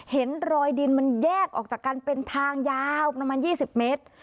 เห็นรอยดินมันแยกออกจากกันเป็นทางยาวประมาณ๒๐เมตร